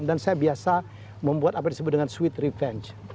dan saya biasa membuat apa disebut dengan sweet revenge